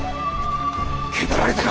気取られたか！